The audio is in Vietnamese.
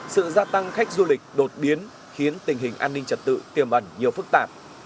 sự gia tăng khách du lịch đột biến khiến tình hình an ninh trật tự tiềm ẩn nhiều phức tạp